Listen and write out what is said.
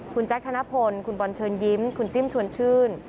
คุณแจ๊คธนพลคุณบอลเชิญยิ้มคุณจิ้มชวนชื่น